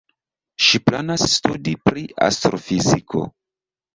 Ŝi planas studi pri astrofiziko.